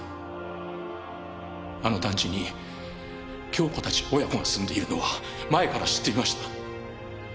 あの団地に恭子たち親子が住んでいるのは前から知っていました。